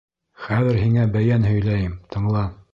— Хәҙер һиңә бәйән һөйләйем, тыңла.